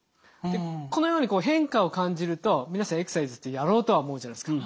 このようにこう変化を感じると皆さんエクササイズってやろうとは思うじゃないですか？